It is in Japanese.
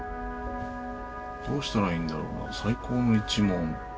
どうしたらいいんだろうな最高の一問。